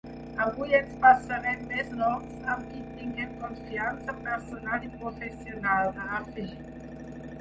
Avui ens passarem més noms amb qui tinguem confiança personal i professional, ha afegit.